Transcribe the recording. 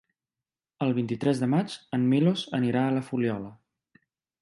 El vint-i-tres de maig en Milos anirà a la Fuliola.